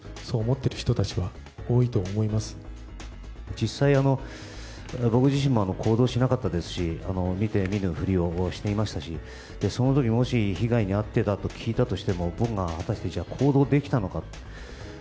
実際、僕自身も行動しなかったですし見て見ぬふりをしていましたしその時、もし被害に遭っていたと聞いたとしても僕が果たして行動できたのか。